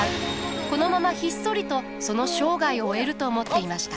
このままひっそりとその生涯を終えると思っていました。